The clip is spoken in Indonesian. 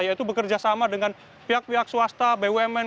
yaitu bekerja sama dengan pihak pihak swasta bumn